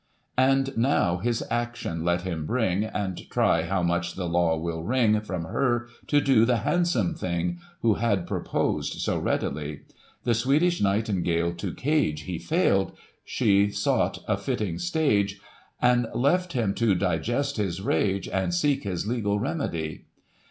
And, now, his action let him bring,* And try how much the law will wring From her to do the handsome thing. Who had proposed so readily I The Swedish Nightingale to cage. He failed ; she sought a fitting stage. And left him to digest his rage. And seek his legal remedy.